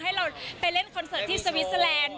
ให้เราไปเล่นคอนเสิร์ตที่สวิสเตอร์แลนด์